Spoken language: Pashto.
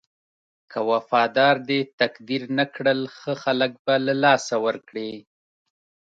که وفادار دې تقدير نه کړل ښه خلک به له لاسه ورکړې.